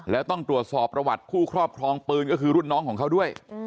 แล้วต้องตรวจสอบประวัติผู้ครอบครองปืนก็คือรุ่นน้องของเขาด้วย